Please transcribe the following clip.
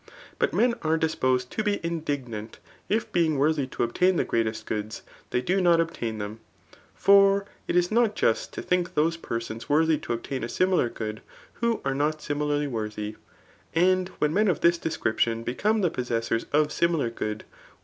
But men are disposed to be indignant, if being worthy to obtain the greatrtt |;oCii$,. tbifty cU> not obtain them ; for it is not just to think those persons worthy to obtain a similar good, who are not similarly worthy ; [and when men of this description become the possessors of simflar good, ^Vo^!